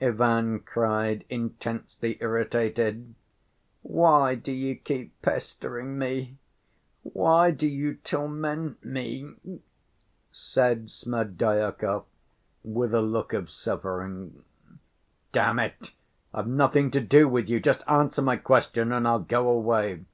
Ivan cried, intensely irritated. "Why do you keep pestering me? Why do you torment me?" said Smerdyakov, with a look of suffering. "Damn it! I've nothing to do with you. Just answer my question and I'll go away."